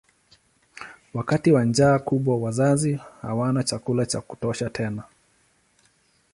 Wakati wa njaa kubwa wazazi hawana chakula cha kutosha tena.